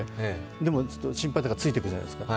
でも、心配だからついていくじゃないですか。